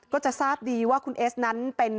ก็จะทราบดีว่าคุณเอสนั้นเป็น